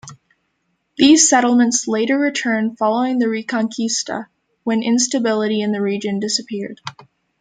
These settlements later returned following the Reconquista, when instability in the region disappeared.